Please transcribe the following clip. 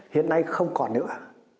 hiện nay không còn nữa